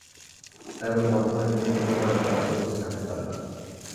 তাই বলে বর্তমানের দুর্নীতির ব্যাপারেও তারা চোখ বুজে থাকতে পারে না।